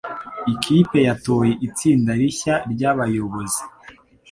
Ikipe yatoye itsinda rishya ryabayobozi.